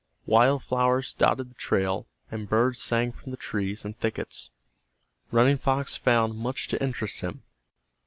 Wild flowers dotted the trail, and birds sang from the trees and thickets. Running Fox found much to interest him.